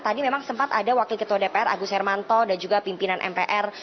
tadi memang sempat ada wakil ketua dpr agus hermanto dan juga pimpinan mpr